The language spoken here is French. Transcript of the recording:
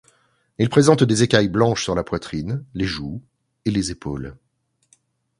Il présente des écailles blanches sur la poitrine, les joues et les épaules.